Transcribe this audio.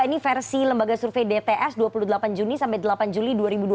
ini versi lembaga survei dts dua puluh delapan juni sampai delapan juli dua ribu dua puluh